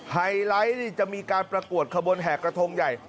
ไฮไลท์นี่จะมีการประกวดขบวนแห่กระทงใหญ่